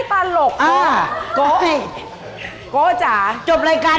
เป็นทั้งหนึ่ง